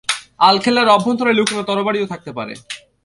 আলখেল্লার অভ্যন্তরে লুকানো তরবারিও থাকতে পারে।